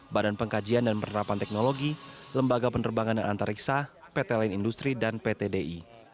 badan pengkajian dan penerapan teknologi lembaga penerbangan dan antariksa pt lain industri dan ptdi